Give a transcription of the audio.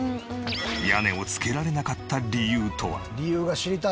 屋根を付けられなかった理由とは？